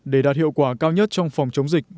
để đạt hiệu quả cao nhất trong phòng chống dịch